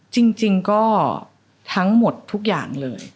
จริงก็ทั้งหมดทุกอย่างเลย